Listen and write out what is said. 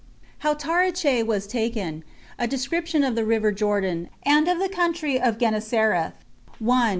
How Taricheae Was Taken. A Description Of The River Jordan, And Of The Country Of Gennesareth. 1.